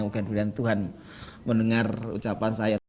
mungkin tuhan mendengar ucapan saya